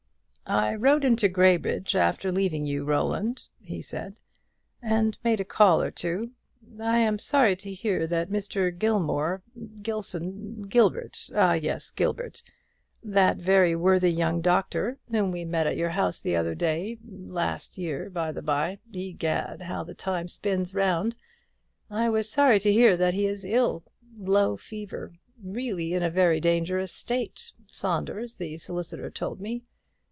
"I rode into Graybridge after leaving you, Roland," he said, "and made a call or two. I am sorry to hear that Mr. Gilmore Gilson Gilbert, ah, yes, Gilbert, that very worthy young doctor, whom we met at your house the other day last year, by the bye egad, how the time spins round! I was sorry to hear that he is ill. Low fever really in a very dangerous state, Saunders the solicitor told me.